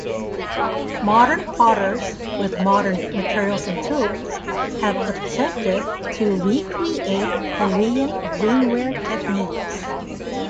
Modern potters, with modern materials and tools, have attempted to recreate Korean greenware techniques.